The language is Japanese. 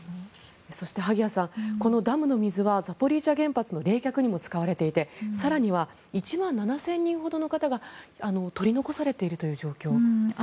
そして、萩谷さんこのダムの水はザポリージャ原発の冷却にも使われていて更には１万７０００人ほどの方が取り残されているという状況ということです。